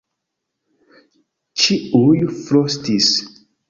Ĉiuj frostis.